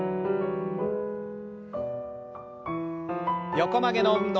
横曲げの運動。